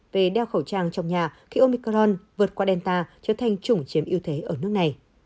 về đeo khẩu trang trong nhà khi omicron vượt qua delta trở thành chủng chiếm ưu thế ở nước này